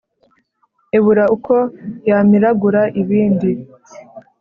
Ibura uko yamiragura ibindi,